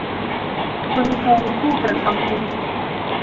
ฟื้นฟูผู้กระทำผิด